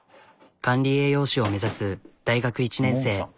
管理栄養士を目指す大学１年生。